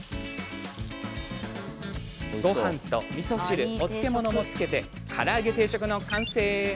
ごはんと、みそ汁お漬物をつけてから揚げ定食の完成。